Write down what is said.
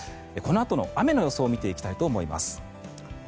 このあとの雨の予想を見ていきたいと思います。